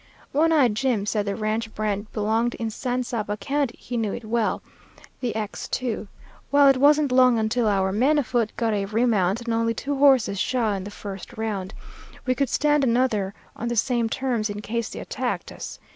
One eyed Jim said the ranch brand belonged in San Saba County; he knew it well, the X 2. Well, it wasn't long until our men afoot got a remount and only two horses shy on the first round. We could stand another on the same terms in case they attacked us.